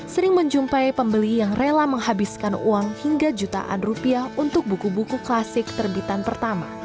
sering menjumpai pembeli yang rela menghabiskan uang hingga jutaan rupiah untuk buku buku klasik terbitan pertama